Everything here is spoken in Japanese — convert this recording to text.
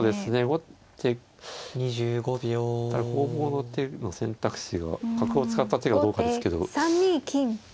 後手攻防の手の選択肢が角を使った手がどうかですけど。